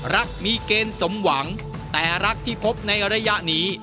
รักมีเกณฑ์สมหวังแต่รักที่พบในระยะนี้